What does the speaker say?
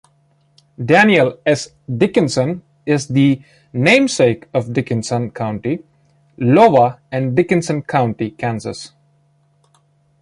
Daniel S. Dickinson is the namesake of Dickinson County, Iowa and Dickinson County, Kansas.